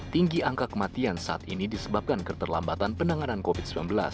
tinggi angka kematian saat ini disebabkan keterlambatan penanganan covid sembilan belas